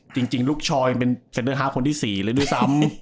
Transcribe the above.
จริงลูกชอยเป็นเซ็นเตอร์ฮาร์คนที่๔เลยด้วยซ้ำ